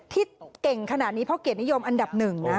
ที่เก่งขนาดนี้เพราะเกียรตินิยมอันดับหนึ่งนะ